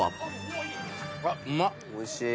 おいしい。